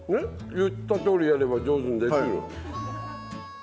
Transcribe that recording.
言ったとおりやれば上手にできる。